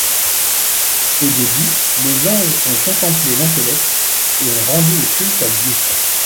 Au début, les anges ont contemplé l'Intellect et ont rendu le culte à Dieu.